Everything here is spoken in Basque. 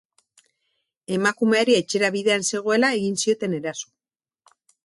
Emakumeari etxera bidean zegoela egin zioten eraso.